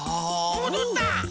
もどった！